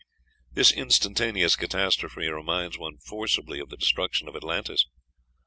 This instantaneous catastrophe reminds one forcibly of the destruction of Atlantis.